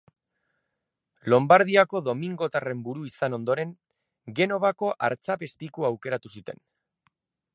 Lonbardiako domingotarren buru izan ondoren, Genovako artzapezpiku aukeratu zuten.